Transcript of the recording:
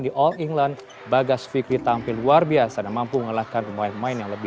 di all england bagas fikri tampil luar biasa dan mampu mengalahkan pemain pemain yang lebih